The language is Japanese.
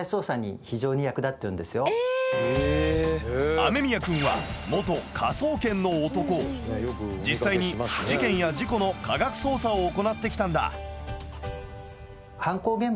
雨宮くんは実際に事件や事故の科学捜査を行ってきたんだ。